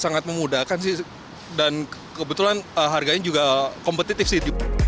sangat memudahkan sih dan kebetulan harganya juga kompetitif sih